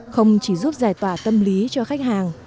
không chỉ giúp giải tỏa tâm lý cho khách hàng